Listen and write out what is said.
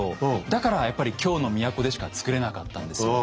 だからやっぱり京の都でしか作れなかったんですよ。